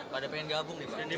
pada pengen gabung ya pak